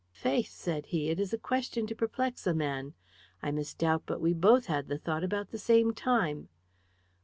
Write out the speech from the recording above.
"Faith," said he, "it is a question to perplex a man. I misdoubt but we both had the thought about the same time.